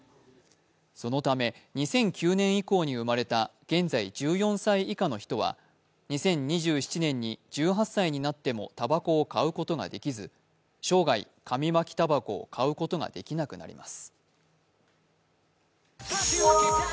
そのため、２００９年以降に生まれた現在１４歳以下の人は２０２７年に１８歳になってもたばこを買うことができず生涯、紙巻きたばこを買うことができなくなります。